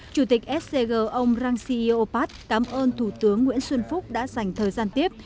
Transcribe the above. chủ tịch scg ông rang ceo pat cảm ơn thủ tướng nguyễn xuân phúc đã dành thời gian tiếp